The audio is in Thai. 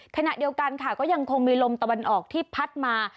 ขณะเดียวกันค่ะก็ยังคงมีลมตะวันออกที่พัดมา